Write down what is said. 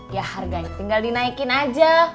ya harganya tinggal dinaikin aja